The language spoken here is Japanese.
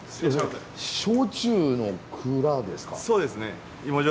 焼酎の蔵ですか？